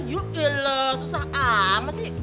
yuk iya lah susah amat sih